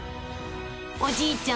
［おじいちゃん